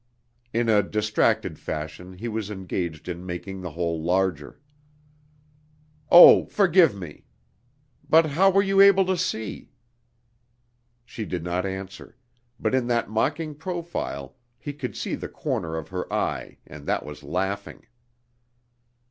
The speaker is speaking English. [In a distracted fashion he was engaged in making the hole larger.] "Oh, forgive me!... But how were you able to see?" She did not answer; but in that mocking profile he could see the corner of her eye and that was laughing.